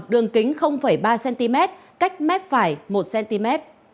đường kính ba cm cách mép phải một cm